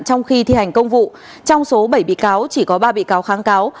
trong khi thi hành công vụ trong số bảy bị cáo chỉ có ba bị cáo kháng cáo